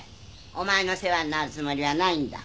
お前の世話になるつもりはないんだ。